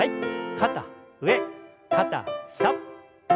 肩上肩下。